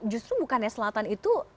justru bukannya selatan itu